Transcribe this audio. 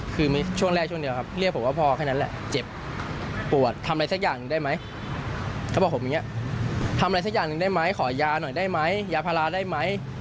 ขอยาหน่อยได้ไหมยาพาราได้ไหม